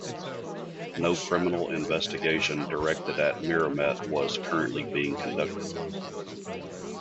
No criminal investigation directed at Mieremet was currently being conducted.